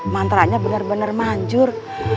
mantra nya benar benar manjur